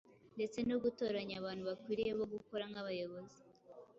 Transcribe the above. ndetse no gutoranya abantu bakwiriye bo gukora nk’abayobozi,